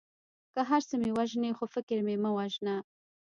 که هر څه مې وژنې خو فکر مې مه وژنه.